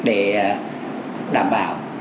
để đảm bảo